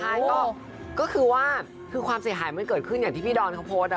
ใช่ก็คือว่าคือความเสียหายมันเกิดขึ้นอย่างที่พี่ดอนเขาโพสต์